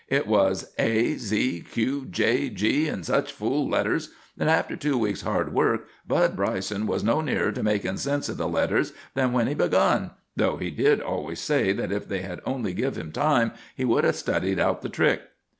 It was a z q j g and such fool letters, and after two weeks' hard work Bud Bryson was no nearer to makin' sense of the letters than when he begun, though he did always say that if they had only give him time he would 'a' studied out the trick.